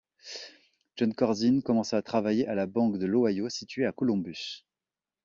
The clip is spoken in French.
Jon Corzine commença à travailler à la banque de l'Ohio, située à Columbus.